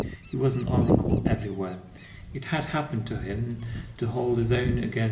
He was an oracle everywhere. It had happened to him to hold his own against M.